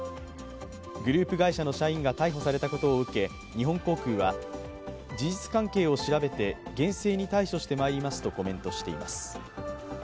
グループ会社の社員が逮捕されたことを受け、日本航空は、事実関係を調べて厳正に対処してまいりますとコメントしています。